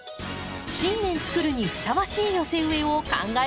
新年つくるにふさわしい寄せ植えを考えました。